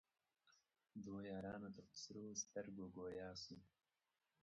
دوو یارانو ته په سرو سترګو ګویا سو